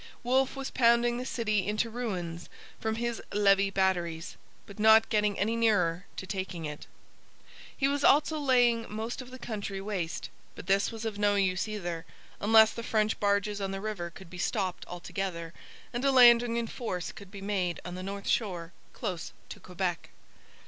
Wolfe was pounding the city into ruins from his Levis batteries; but not getting any nearer to taking it. He was also laying most of the country waste. But this was of no use either, unless the French barges on the river could be stopped altogether, and a landing in force could be made on the north shore close to Quebec.